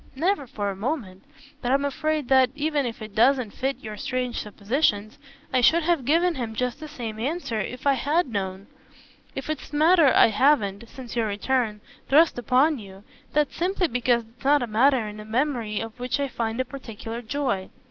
"Never for a moment; but I'm afraid that even if it doesn't fit your strange suppositions I should have given him just the same answer if I had known. If it's a matter I haven't, since your return, thrust upon you, that's simply because it's not a matter in the memory of which I find a particular joy.